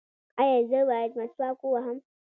ایا زه باید مسواک ووهم؟